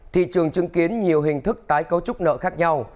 thị trường chứng kiến nhiều hình thức tái cấu trúc nợ khác nhau